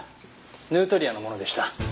ヌートリアのものでした。